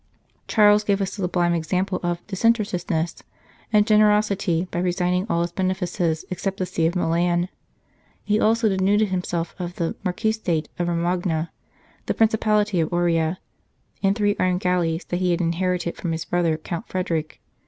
Charles gave a sublime example of disinterested ness and generosity by resigning all his benefices except the See of Milan. He also denuded himself of the marquisate of Romagna, the principality of Oria, and three armed galleys that he had inherited from his brother, Count Frederick.